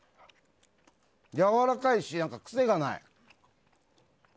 やわらかいし、癖がない。